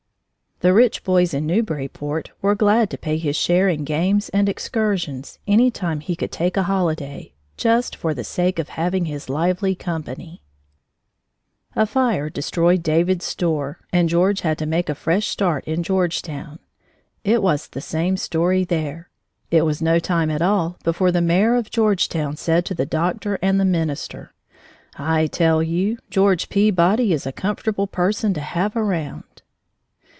The rich boys in Newburyport were glad to pay his share in games and excursions any time he could take a holiday, just for the sake of having his lively company. A fire destroyed David's store, and George had to make a fresh start in Georgetown. It was the same story there. It was no time at all before the mayor of Georgetown said to the doctor and the minister: "I tell you, George Peabody is a comfortable person to have round!"